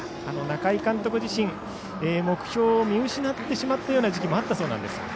仲井監督自身目標を見失ってしまったような時期もあったそうですが